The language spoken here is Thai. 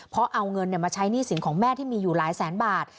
เพราะเอาเงินมาใช้หนี้สินของแม่ที่มีอยู่หลายแสนบาท